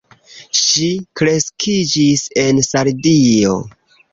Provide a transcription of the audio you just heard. Ŝi kreskiĝis en Sardio.